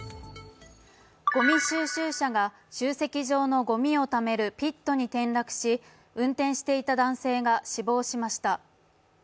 ごみ収集車が集積場のごみをためるピットに転落し、運転していた男性が死亡しました。